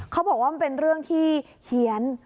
เขาบอกว่ามันเป็นเรื่องที่เฮียน